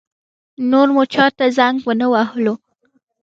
نور مو چا ته زنګ ونه وهلو.